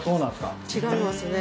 違いますね。